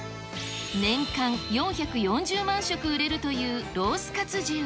年間４４０万食売れるというロースかつ重。